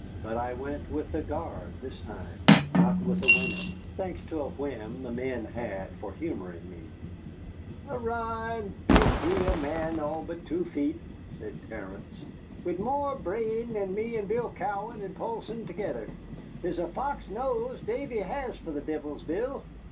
But I went with the guard this time, not with the women, thanks to a whim the men had for humoring me. "Arrah, and beant he a man all but two feet," said Terence, "wid more brain than me an' Bill Cowan and Poulsson togither? 'Tis a fox's nose Davy has for the divils, Bill.